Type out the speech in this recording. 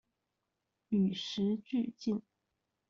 與時俱進